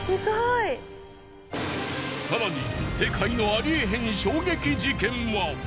更に世界のありえへん衝撃事件は。